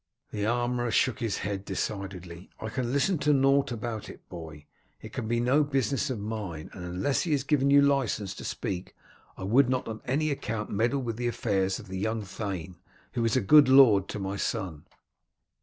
The armourer shook his head decidedly. "I can listen to nought about it, boy. It can be no business of mine, and unless he has given you license to speak I would not on any account meddle with the affairs of the young thane, who is a good lord to my son."